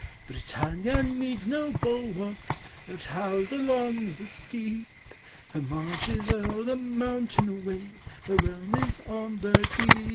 Britannia needs no bulwarks, No towers along the steep ; Her march is o'er the mountain waves, Her home is on the deep.